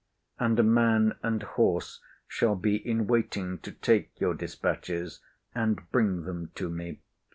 And a man and horse shall be in waiting to take your dispatches and bring them to me.